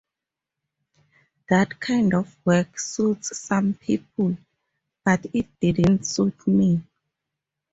That kind of work suits some people, but it didn't suit me.